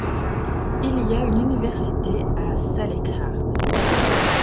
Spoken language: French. Il y a une université à Salekhard.